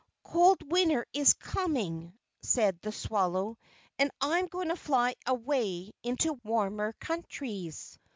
"Cold Winter is coming," said the swallow, "and I am going to fly away into warmer countries.